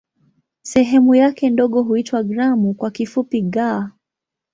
Sehemu yake ndogo huitwa "gramu" kwa kifupi "g".